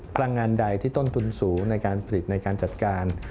พลังงานใดที่ต้นทุนสูงในการผลิตในการจัดการ